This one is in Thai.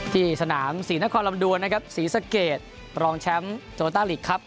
ที่สนามศรีนครลำดวนนะครับศรีสะเกดรองแชมป์โตโลต้าลีกครับ